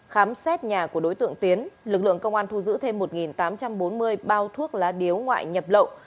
khám xét nhà của đối tượng tiến lực lượng công an thu giữ thêm một tám trăm bốn mươi bao thuốc lá điếu ngoại nhập lậu